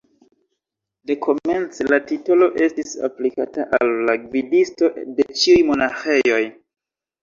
Dekomence la titolo estis aplikata al la gvidisto de ĉiuj monaĥejoj.